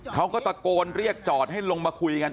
เขาก็ตะโกนเรียกจอดให้ลงมาคุยกัน